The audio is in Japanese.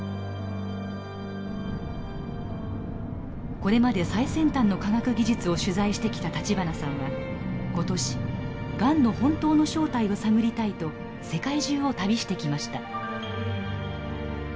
これまで最先端の科学技術を取材してきた立花さんは今年がんの本当の正体を探りたいと世界中を旅してきました。